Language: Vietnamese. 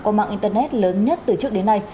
qua mạng internet lớn nhất từ trước đến nay